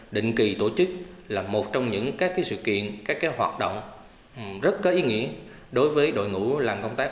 định kỳ tổ chức là một trong những các sự kiện các hoạt động rất có ý nghĩa đối với đội ngũ làm công tác